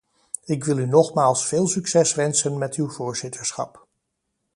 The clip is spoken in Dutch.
Ik wil u nogmaals veel succes wensen met uw voorzitterschap.